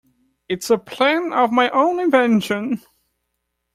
It’s a plan of my own invention.